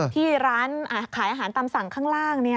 ที่ร้านขายอาหารตามสั่งข้างล่าง